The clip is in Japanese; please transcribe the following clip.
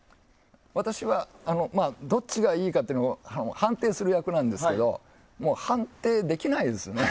私はどっちがいいかっていうのを判定する役なんですが判定できないですね。